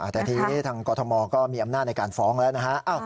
แต่ทีนี้ทางกรทมก็มีอำนาจในการฟ้องแล้วนะฮะ